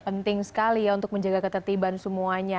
penting sekali ya untuk menjaga ketertiban semuanya